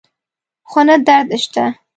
خو نه درد شته